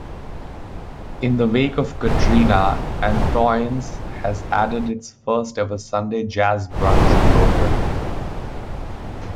In the wake of Katrina, Antoine's has added its first-ever Sunday Jazz Brunch program.